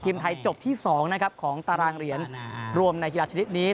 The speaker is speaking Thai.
ทีมไทยจบที่๒นะครับของตารางเหรียญรวมในกีฬาชนิดนี้